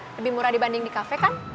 lebih murah dibanding di kafe kan